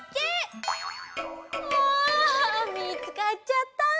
ああみつかっちゃった。